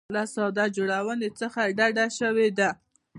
له ساده جوړونې څخه ډډه شوې ده.